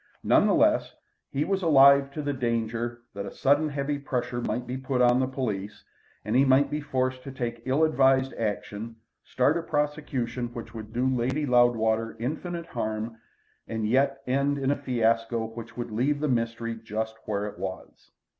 None the less, he was alive to the danger that a sudden heavy pressure might be put on the police, and he might be forced to take ill advised action, start a prosecution which would do Lady Loudwater infinite harm, and yet end in a fiasco which would leave the mystery just where it was.